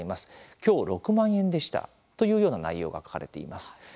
今日、６万円でした」というような内容が書かれています。